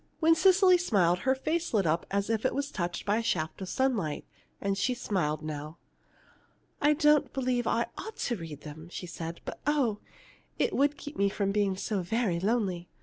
When Cecily smiled, her face lit up as if touched by a shaft of sunlight. And she smiled now. "I don't believe I ought to read them," she said; "but, oh! it would keep me from being so very lonely.